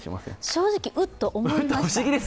正直ウッと思いました。